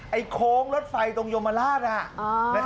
ไอ้โค้งรถไฟตรงโยมาราช